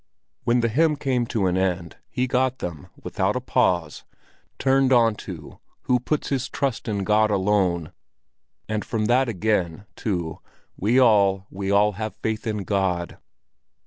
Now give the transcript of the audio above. When the hymn came to an end, he got them, without a pause, turned on to "Who puts his trust in God alone," and from that again to "We all, we all have faith in God."